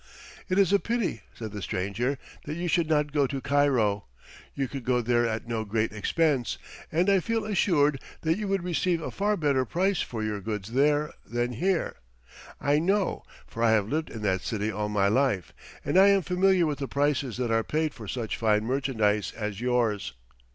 "It is a pity," said the stranger, "that you should not go to Cairo. You could go there at no great expense, and I feel assured that you would receive a far better price for your goods there than here. I know, for I have lived in that city all my life, and I am familiar with the prices that are paid for such fine merchandise as yours."